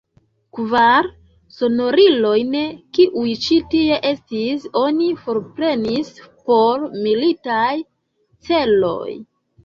Kvar sonorilojn, kiuj ĉi tie estis, oni forprenis por militaj celoj.